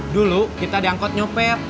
dulu kita diangkut nyuper